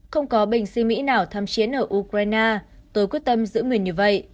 không có bệnh sĩ mỹ nào thăm chiến ở ukraine tôi quyết tâm giữ nguyện như vậy